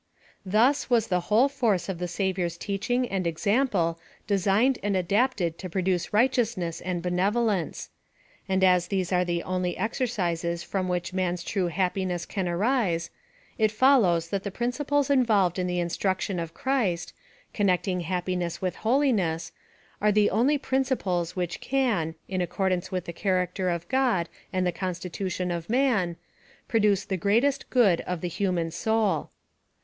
Thus was the whole force of the Savior's teach ing and example designed and adapted to produce I righteousness and benevolence ; and as these are the only exercises from which man's true happiness can arise, it follows that the principles involved in the instruction of Christ, connecting happiness Avitli holiness, are the only principles which can, in accor dance with the character of God and the constitu tion of man, produce the greatest good of the hu man soul.